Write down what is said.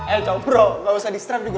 eh cobro gak usah disetrap juga